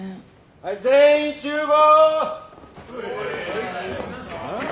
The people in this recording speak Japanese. はい全員集合！